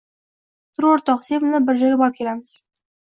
Tur o`rtoq, sen bilan bir joyga borib kelamiz